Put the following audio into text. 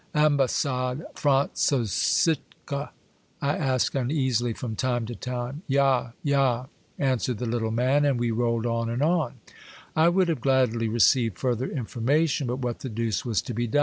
''Ambassad Frajitzsosiche f I asked uneasily from time to time. Ya, Ya!' answered the little man, and we rolled on and on. I would have gladly received further information, but what the deuce was to be done?